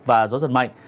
và gió giật mạnh